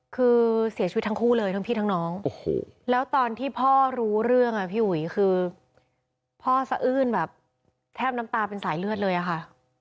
คือเสียชีวิตทั้งคู่เลยทั้งพี่ทั้งน้องแล้วตอนที่พ่อรู้เรื่องอ่ะพี่อุ๋ยคือพ่อสะอื้นแบบแทบน้ำตาเป็นสายเลือดเลยอะค่ะ